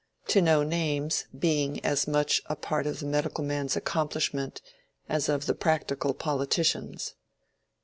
—to know names being as much a part of the medical man's accomplishment as of the practical politician's.